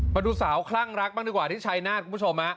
มาดูสาวคลั่งรักบ้างดีกว่าที่ชัยนาธคุณผู้ชม